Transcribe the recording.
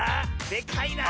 でかいな。